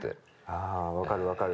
あ分かる分かる。